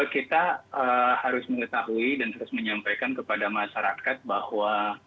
kita harus mengetahui dan harus menyampaikan kepada masyarakat bahwa